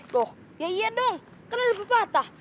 loh ya iya dong kan ada pepatah